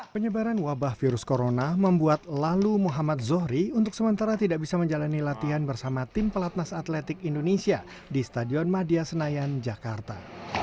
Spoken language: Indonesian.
penyebaran wabah virus corona membuat lalu muhammad zohri untuk sementara tidak bisa menjalani latihan bersama tim pelatnas atletik indonesia di stadion madia senayan jakarta